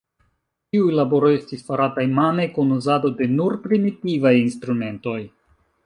Ĉiuj laboroj estis farataj mane kun uzado de nur primitivaj instrumentoj.